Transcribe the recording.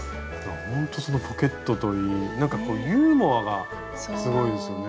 ほんとそのポケットといいユーモアがすごいですよね。